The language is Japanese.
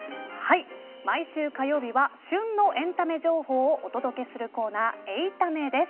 毎週火曜日は旬のエンタメ情報をお届けするコーナー８タメです。